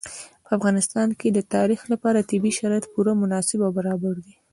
په افغانستان کې د تاریخ لپاره طبیعي شرایط پوره مناسب او برابر دي.